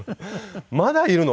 「まだいるの？